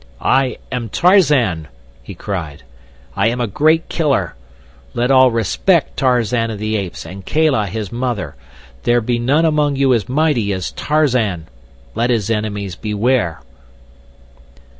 "I am Tarzan," he cried. "I am a great killer. Let all respect Tarzan of the Apes and Kala, his mother. There be none among you as mighty as Tarzan. Let his enemies beware."